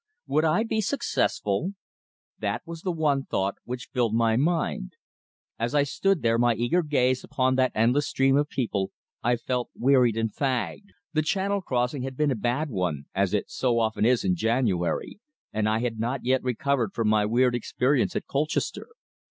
Would I be successful? That was the one thought which filled my mind. As I stood there, my eager gaze upon that endless stream of people, I felt wearied and fagged. The Channel crossing had been a bad one, as it so often is in January, and I had not yet recovered from my weird experience at Colchester.